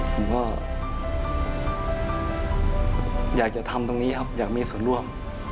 ผมก็อยากจะทำตรงนี้ครับอยากมีส่วนร่วม